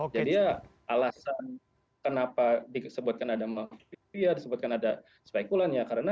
jadi ya alasan kenapa disebutkan ada mafia disebutkan ada spekulannya karena